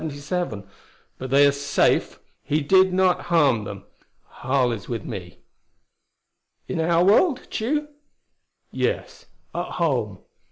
But they are safe: he did not harm them. Harl is with them." "In our world, Tugh?" "Yes; at home.